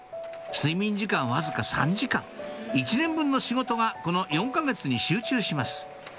睡眠時間わずか３時間１年分の仕事がこの４か月に集中します